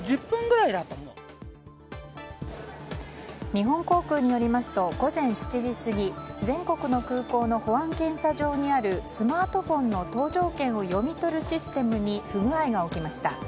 日本航空によりますと午前７時過ぎ全国の空港の保安検査場にあるスマートフォンの搭乗券を読み取るシステムに不具合が起きました。